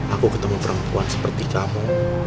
aku ketemu perempuan seperti kamu